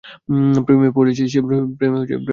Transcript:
প্রেমে পড়েছিস নাকি?